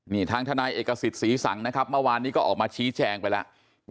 นี่ทางทนายเอกสิทธิ์ศรีสังนะครับเมื่อวานนี้ก็ออกมาชี้แจงไปแล้ว